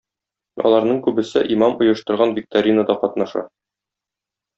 Аларның күбесе имам оештырган векторинада катнаша.